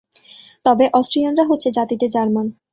তবে অষ্ট্রীয়ানরা হচ্ছে জাতিতে জার্মান।